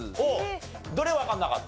どれわからなかった？